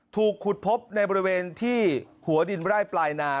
ถูกขุดพบในบริเวณที่หัวดินไร่ปลายนา